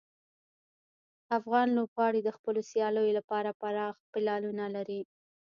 افغان لوبغاړي د خپلو سیالیو لپاره پراخ پلانونه لري.